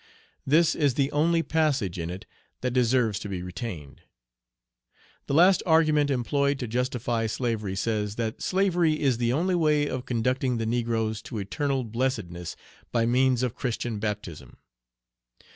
This is the only passage in it that deserves to be retained: "The last argument employed to justify slavery says, that 'slavery is the only way of conducting the negroes to eternal blessedness by means of Christian baptism.'